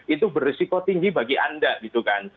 itu beresiko tinggi bagi anda gitu kan